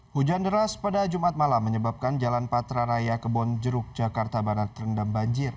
hujan deras pada jumat malam menyebabkan jalan patraraya kebon jeruk jakarta barat terendam banjir